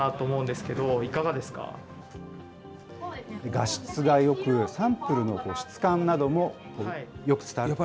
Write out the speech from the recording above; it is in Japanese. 画質がよく、サンプルの質感などもよく伝わると。